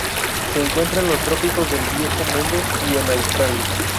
Se encuentra en los trópicos del Viejo Mundo y en Australia.